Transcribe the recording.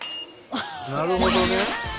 なるほどね。